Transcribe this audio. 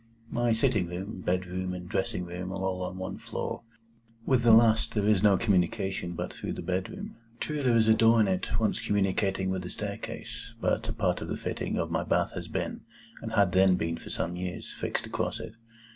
My sitting room, bedroom, and dressing room, are all on one floor. With the last there is no communication but through the bedroom. True, there is a door in it, once communicating with the staircase; but a part of the fitting of my bath has been—and had then been for some years—fixed across it.